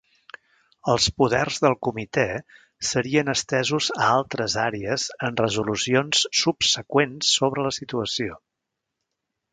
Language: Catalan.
Els poders del comitè serien estesos a altres àrees en resolucions subseqüents sobre la situació.